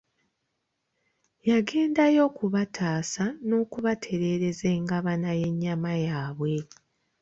Yagendayo okubataasa n'okubatereereza engabana y'ennyama yaabwe.